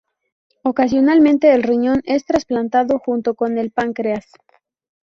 Ocasionalmente, el riñón es trasplantado junto con el páncreas.